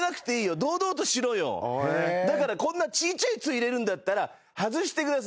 だから小ちゃい「っ」入れるんだったら外してください。